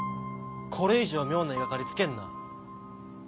これ以上妙な言い掛かりつけんな